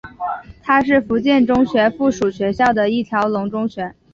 它是福建中学附属学校的一条龙中学。